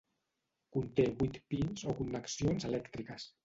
Conté vuit 'pins' o connexions elèctriques.